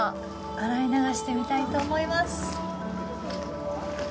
洗い流してみたいと思います。